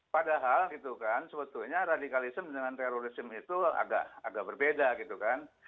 padahal gitu kan sebetulnya radikalisme dengan terorisme itu agak berbeda gitu kan